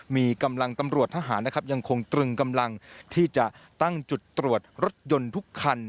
มีกำลังตำรวจทหารนะครับยังคงตรึงกำลังที่จะตั้งจุดตรวจรถยนต์ทุกคัน